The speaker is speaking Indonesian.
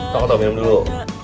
tunggu tunggu minum dulu